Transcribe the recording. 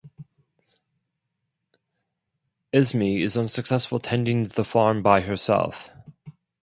Esme is unsuccessful tending the farm by herself.